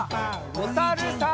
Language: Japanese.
おさるさん。